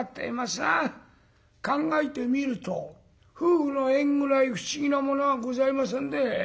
考えてみると夫婦の縁ぐらい不思議なものはございませんで。